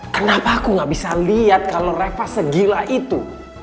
kenapa aku gak bisa lihat kalau reva segila itu